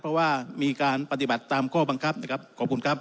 เพราะว่ามีการปฏิบัติตามข้อบังคับนะครับขอบคุณครับ